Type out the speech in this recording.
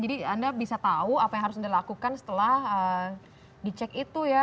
jadi anda bisa tahu apa yang harus anda lakukan setelah dicek itu ya